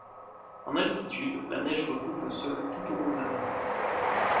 En altitude la neige recouvre le sol tout au long de l'année.